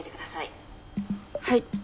はい。